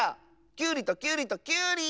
きゅうりときゅうりときゅうり！